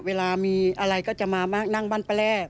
เวลามีอะไรก็จะมามากนั่งบ้านป้าแรก